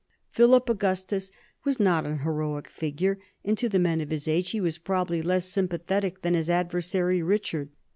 Philip Augustus was not an heroic figure, and to the men of his age he was probably less sympathetic than his adversary Richard.